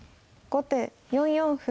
後手９四歩。